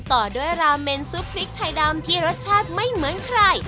ต่อด้วยราเมนซุปพริกไทยดำที่รสชาติไม่เหมือนใคร